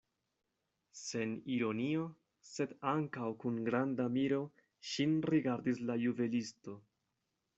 Sen ironio, sed ankaŭ kun granda miro ŝin rigardis la juvelisto.